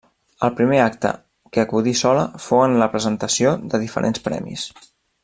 El primer acte que acudí sola fou en la presentació de diferents premis.